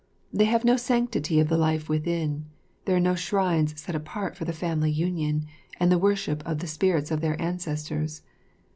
They have no sanctity of the life within; there are no shrines set apart for the family union, and the worship of the spirits of their ancestors.